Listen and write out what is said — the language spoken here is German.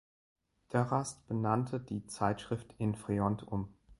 Dörrast benannte die Zeitschrift in "Freond" um.